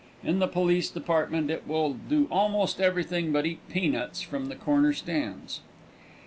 In the police department it will do almost everything but eat peanuts from the corner stands.